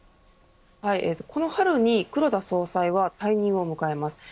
この春に黒田総裁が任期を迎えます